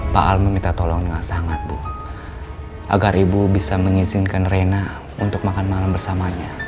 pak al meminta tolong dengan sangat bu agar ibu bisa mengizinkan reina untuk makan malam bersamanya